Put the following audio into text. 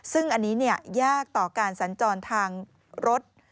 ซึ่งอันนี้ยากต่อการสัญจรทางรถ